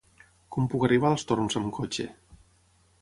Com puc arribar als Torms amb cotxe?